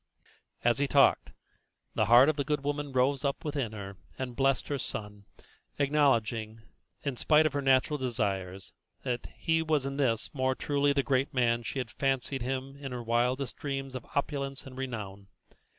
As he talked, the heart of the good woman rose up within her and blessed her son, acknowledging, in spite of her natural desires, that he was in this more truly the great man than she had fancied him in her wildest dreams of opulence and renown.